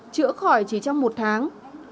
chữa khỏi chỉ trong một tháng